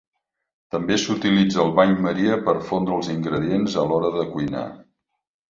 També s'utilitza el bany maria per fondre els ingredients a l'hora de cuinar.